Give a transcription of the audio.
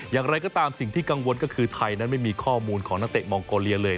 อย่างไรก็ตามสิ่งที่กังวลก็คือไทยนั้นไม่มีข้อมูลของนักเตะมองโกเลียเลย